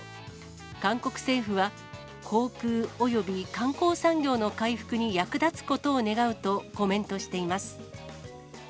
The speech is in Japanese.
韓国政府は、航空および観光産業の回復に役立つことを願うとコメントしています。